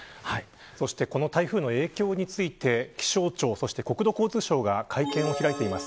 そしてこの台風の影響について気象庁、そして国土交通省が会見を開いています。